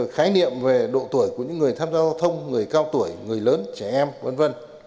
khái niệm về độ tuổi của những người tham gia giao thông người cao tuổi người lớn trẻ em v v